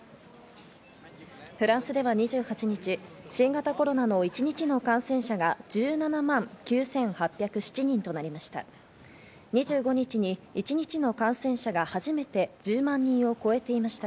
フランスでは２８日、新型コロナの一日の感染者が１７万９８０７人となりました。